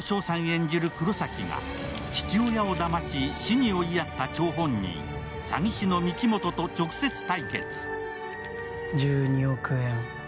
演じる黒崎が、父親をだまし死に追いやった張本人詐欺師の御木本と直接対決。